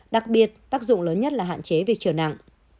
đặc biệt tác dụng lớn nhất là hạn chế về trở nặng